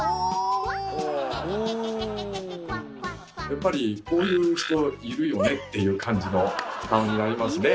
やっぱりこういう人いるよねっていう感じの顔になりますね。